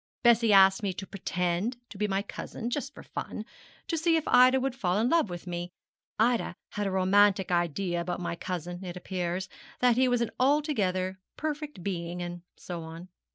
Bessie asked me to pretend to be my cousin, just for fun, to see if Ida would fall in love with me. Ida had a romantic idea about my cousin, it appears, that he was an altogether perfect being, and so on.